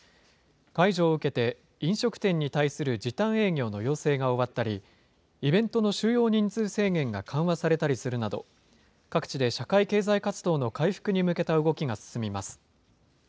解除を受けて、飲食店に対する時短営業の要請が終わったり、イベントの収容人数制限が緩和されたりするなど、各地で社会経済活動の回復に向けた動きが進みます。